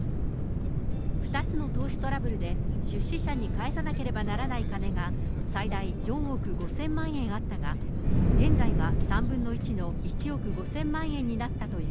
２つの投資トラブルで出資者に返さなければならない金が最大４億５０００万円あったが、現在は３分の１の１億５０００万円になったという。